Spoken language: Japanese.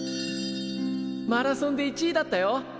マラソンで１位だったよ！